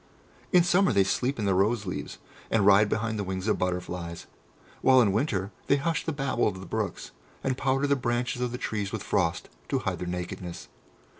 In summer they sleep in the roseleaves, and ride behind the wings of butterflies, while in winter they hush the babble of the brooks, and powder the branches of the trees with frost to hide their nakedness.